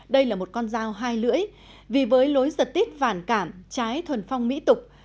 đây là một con dao hai lưỡi vì với lối giật tít vàn cảm trái thuần phong mỹ tục